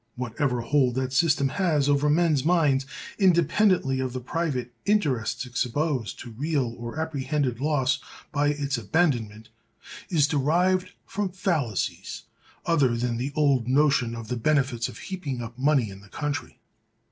Whatever hold that system has over men's minds, independently of the private interests exposed to real or apprehended loss by its abandonment, is derived from fallacies other than the old notion of the benefits of heaping up money in the country.